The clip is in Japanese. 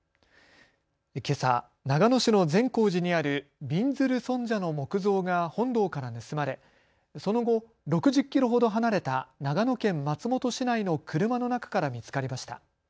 けさ長野市の善光寺にあるびんずる尊者の木像が本堂から盗まれその後、６０キロほど離れた長野県松本市内の車の中から見つかりました。